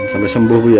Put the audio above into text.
sampai sembuh bu ya